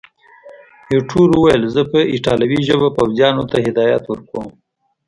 ایټور وویل، زه په ایټالوي ژبه پوځیانو ته هدایات ورکوم.